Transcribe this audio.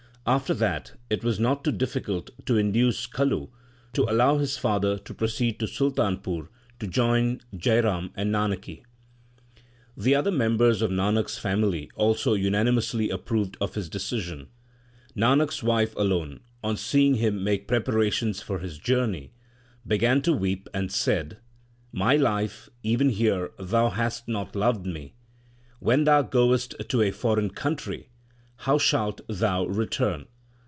After that it was not difficult to induce Kalu to allow his son to proceed to Sultanpur to join Jai Ram and Nanaki. The other members of Nanak s family also unani mously approved of his decision. Nanak s wife alone, on seeing him make preparations for his journey, began to weep, and said, My life, even here thou hast not loved me ; when thou goest to a foreign country, how shalt thou return